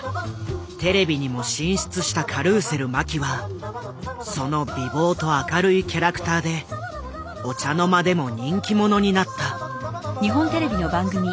テレビにも進出したカルーセル麻紀はその美貌と明るいキャラクターでお茶の間でも人気者になった。